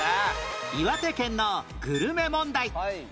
岩手県のグルメ問題